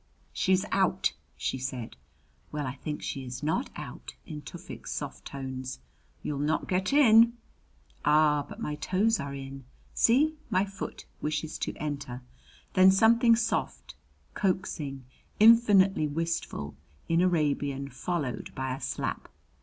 "She's out," she said. "Well, I think she is not out," in Tufik's soft tones. "You'll not get in." "Ah, but my toes are in. See, my foot wishes to enter!" Then something soft, coaxing, infinitely wistful, in Arabian followed by a slap.